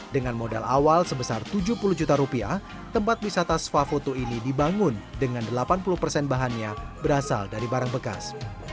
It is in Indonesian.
dengan modal awal sebesar tujuh puluh juta rupiah tempat wisata swafoto ini dibangun dengan delapan puluh persen bahannya berasal dari barang bekas